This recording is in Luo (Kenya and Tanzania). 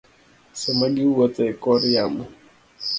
sama giwuotho e kor yamo.